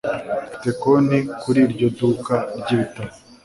Mfite konti kuri iryo duka ryibitabo.